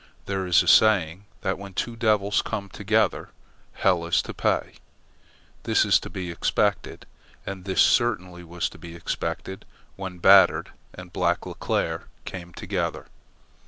There is a saying that when two devils come together, hell is to pay. This is to be expected, and this certainly was to be expected when Batard and Black Leclere came together.